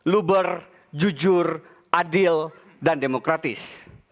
luber jujur adil dan demokratis